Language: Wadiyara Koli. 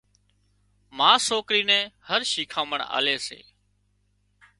ما سوڪري نين هر شيکانمڻ آلي سي